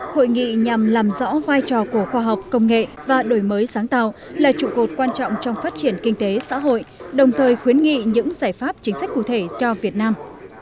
hội nghị nhằm làm rõ vai trò của khoa học công nghệ và đổi mới sáng tạo là trụ cột quan trọng trong phát triển kinh tế xã hội đồng thời khuyến nghị những giải pháp chính sách cụ thể cho việt nam